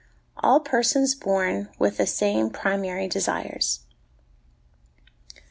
All Persons born with the same Primary Desires.